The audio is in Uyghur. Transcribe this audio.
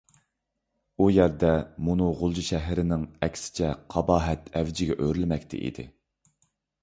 ئۇ يەردە مۇنۇ غۇلجا شەھىرىنىڭ ئەكسىچە قاباھەت ئەۋجىگە ئۆرلىمەكتە ئىدى.